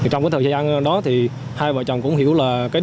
trong thời gian đó hai vợ chồng cũng hiểu là đặc thù